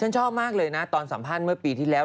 ชอบมากเลยนะตอนสัมภาษณ์เมื่อปีที่แล้ว